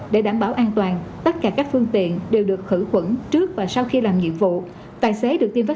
để đảm bảo an toàn tất cả các phương tiện đều được khử quẩn trước và sau khi làm nhiệm vụ